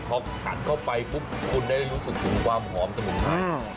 เพราะตัดเข้าไปคุณได้รู้สึกถึงความหอมสมุดใหม่